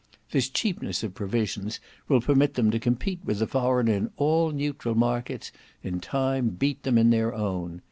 This cheapness of provisions will permit them to compete with the foreigner in all neutral markets, in time beat them in their own.